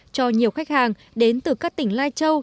cho nhiều khách hàng đến từ các tỉnh lai châu